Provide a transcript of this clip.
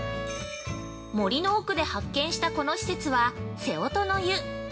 ◆森の奥で発見したこの施設は「瀬音の湯」。